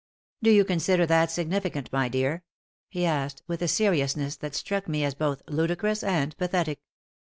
"Do you consider that significant, my dear?" he asked, with a seriousness that struck me as both ludicrous and pathetic.